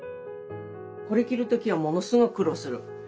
これ着る時はものすごく苦労する。